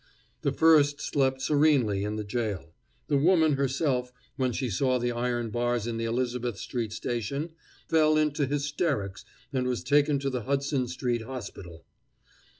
The first slept serenely in the jail. The woman herself, when she saw the iron bars in the Elizabeth street station, fell into hysterics and was taken to the Hudson Street Hospital.